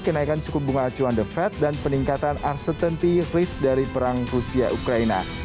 kenaikan suku bunga acuan the fed dan peningkatan arcetanty risk dari perang rusia ukraina